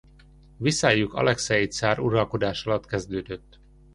Viszályuk Alekszej cár uralkodása alatt kezdődött.